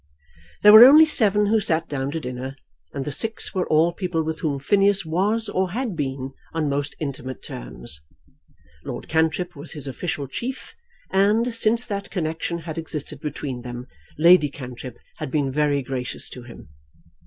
There were only seven who sat down to dinner, and the six were all people with whom Phineas was or had been on most intimate terms. Lord Cantrip was his official chief, and, since that connection had existed between them, Lady Cantrip had been very gracious to him.